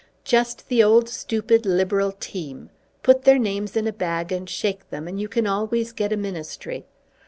"Just the old stupid Liberal team. Put their names in a bag and shake them, and you can always get a ministry.